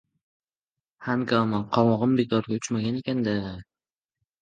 hangoma. Qovog‘im bekorga uchmagan ekan-da...